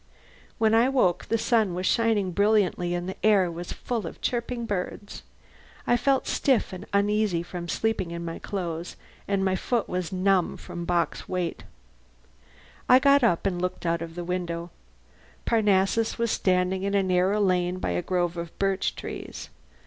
When I woke the sun was shining brilliantly and the air was full of the chirping of birds. I felt stiff and uneasy from sleeping in my clothes, and my foot was numb from Bock's weight. I got up and looked out of the window. Parnassus was standing in a narrow lane by a grove of birch trees.